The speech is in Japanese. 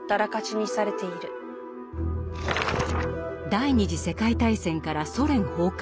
第二次世界大戦からソ連崩壊まで。